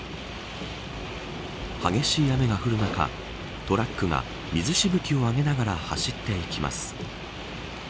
激しい雨が降る中トラックが水しぶきを上げながら走っていきます。